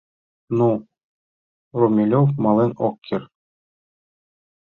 Но Румелёв мален ок керт.